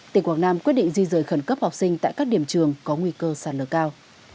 tỉnh quảng nam quyết định di rời khẩn cấp học sinh tại các điểm trường có nguy cơ sạt lở cao